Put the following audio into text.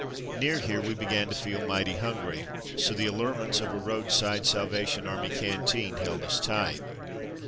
Near here we began to feel mighty hungry, so the allure ments of a roadside Salvation Army canteen held us tight.